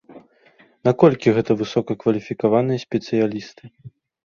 Наколькі гэта высока кваліфікаваныя спецыялісты?